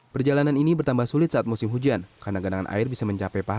perjalanan ini bertambah sulit saat musim hujan karena genangan air bisa mencapai panjang